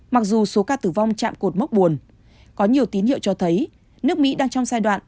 mặc dù số ca tử vong chạm cột mốc buồn có nhiều tín hiệu cho thấy nước mỹ đang trong giai đoạn